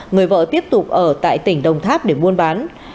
người vợ tiếp tục ở tại tỉnh đồng tháp để buôn bán